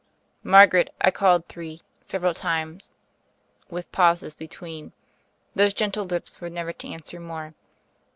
"Margaret," I called three, several times, with pauses between. Those gentle lips were never to answer more.